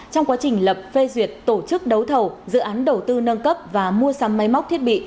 trong quá trình lập phê duyệt tổ chức đấu thầu dự án đầu tư nâng cấp và mua sắm máy móc thiết bị